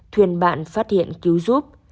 thuyền bạn phát hiện cứu giúp